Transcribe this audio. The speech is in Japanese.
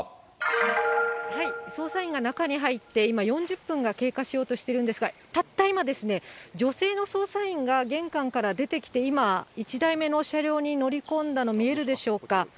捜査員が中に入って、今、４０分が経過しようとしているんですが、たった今ですね、女性の捜査員が玄関から出てきて、今、１台目の車両に乗り込んだの見えるでしょうか。